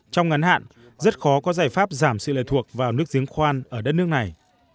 trong ngắn hạn rất khó có giải pháp giảm sự lệ thuộc vào nước giếng khoan ở đất nước này